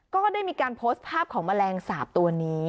ก็ได้มีการโพสต์ภาพของแมลงสาปตัวนี้